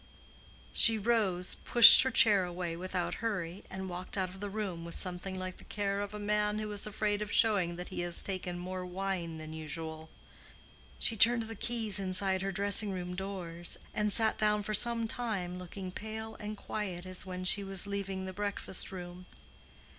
She rose, pushed her chair away without hurry, and walked out of the room with something like the care of a man who is afraid of showing that he has taken more wine than usual. She turned the keys inside her dressing room doors, and sat down for some time looking pale and quiet as when she was leaving the breakfast room.